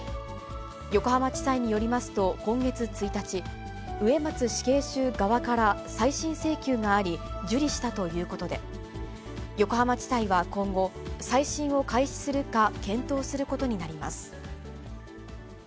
横浜地裁によりますと、今月１日、植松死刑囚側から再審請求があり、受理したということで、横浜地裁は今後、再審を開始するか検討することになります。